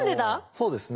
そうですね